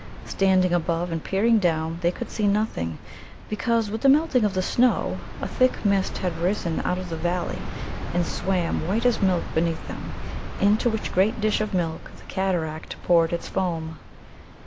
Standing above, and peering down, they could see nothing, because, with the melting of the snow, a thick mist had risen out of the valley, and swam white as milk beneath them, into which great dish of milk the cataract poured its foam.